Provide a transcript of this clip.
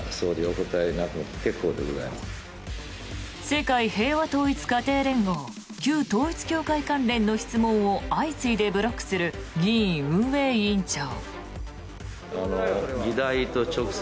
世界平和統一家庭連合旧統一教会関連の質問を相次いでブロックする議院運営委員長。